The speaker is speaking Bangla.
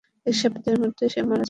এক সপ্তাহের মধ্যে সে মারা যাবে।